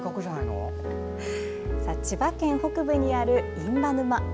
千葉県北部にある印旛沼。